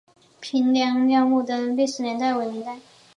平凉隍庙的历史年代为明代。